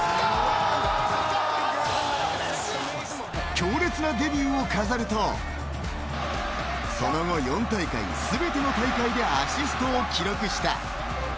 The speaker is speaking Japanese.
強烈なデビューを飾るとその後、４大会全ての大会でアシストを記録した。